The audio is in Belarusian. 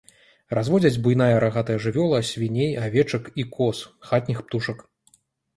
Разводзяць буйная рагатая жывёла, свіней, авечак і коз, хатніх птушак.